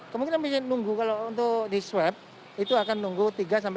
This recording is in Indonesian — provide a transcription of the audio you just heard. kemungkinan bisa nunggu kalau untuk diswab itu akan nunggu tiga empat hari hasilnya